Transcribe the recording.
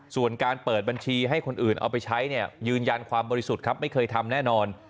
ส่วนการเปิดบัญชีให้คนอื่นเอาไปใช้เนี่ยยืนยันความบริสุทธิ์ครับไม่เคยทำแน่นอน